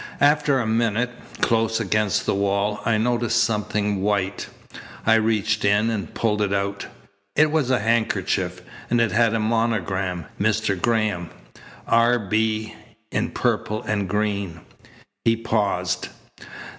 After a minute, close against the wall, I noticed something white. I reached in and pulled it out. It was a handkerchief, and it had a monogram, Mr. Graham R. B. in purple and green." He paused.